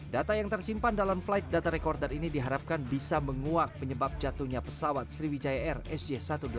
data yang tersimpan dalam flight data recorder ini diharapkan bisa menguak penyebab jatuhnya pesawat sriwijaya air sj satu ratus delapan puluh